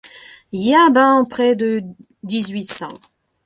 Y a ben près de dix-huit cents.